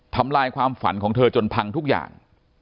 ทำลายความฝันของเธอจนพังทุกอย่าง